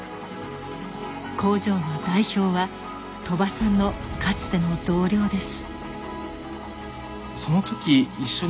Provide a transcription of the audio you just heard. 工場の代表は鳥羽さんのかつての同僚です。